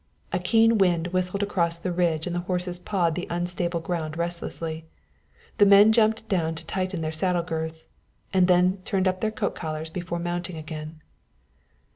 A keen wind whistled across the ridge and the horses pawed the unstable ground restlessly. The men jumped down to tighten their saddle girths, and they turned up their coat collars before mounting again.